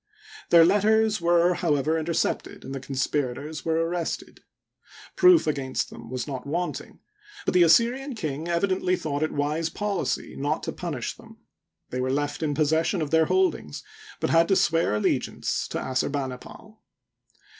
Their letters were, however, intercepted, and the conspirators were ar rested. Proof against them was not wanting, but the As syrian king evidently thought it wise policy not to punish them. They were left in possession of their holdings, but had to swear allegiance to Assurbanipal.